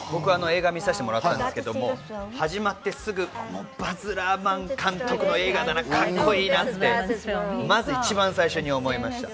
映画見たんですけど、始まってすぐバズ・ラーマン監督の映画だな、カッコいいなってまず一番最初に思いました。